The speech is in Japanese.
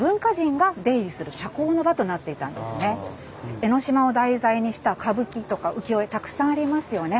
江の島を題材にした歌舞伎とか浮世絵たくさんありますよね。